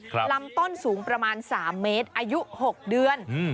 ลำต้นสูงประมาณสามเมตรอายุหกเดือนอืม